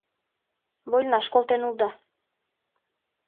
Вольнаш колтен улыда!